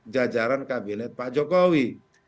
jajaran kabinet pak jokowi